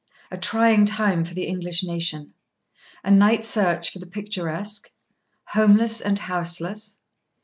—A trying time for the English nation.—A night search for the picturesque.—Homeless and houseless.